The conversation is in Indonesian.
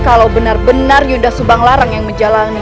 kalau benar benar yudha subanglarang yang menjalani hukuman itu